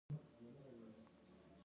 مچان د انسان تن ته ځان نږدې کوي